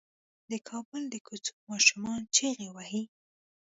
د کابل د کوڅو ماشومان چيغې وهي.